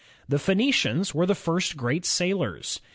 The Phoenicians were the first great sailors.